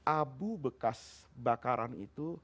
abu bekas bakaran itu